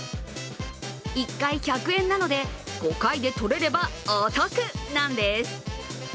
１回１００円なので５回で取れればお得なんです。